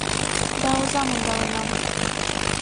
Да озам ондаленам.